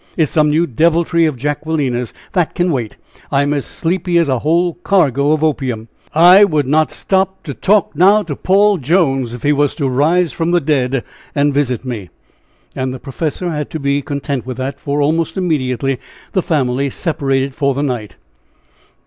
It is some new deviltry of Jacquelina's. That can wait! I'm as sleepy as a whole cargo of opium! I would not stop to talk now to Paul Jones, if he was to rise from the dead and visit me!" And the professor had to be content with that, for almost immediately the family separated for the night.